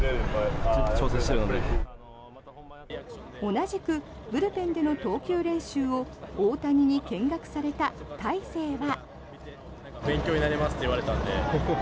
同じくブルペンでの投球練習を大谷に見学された大勢は。